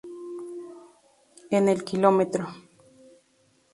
En el km.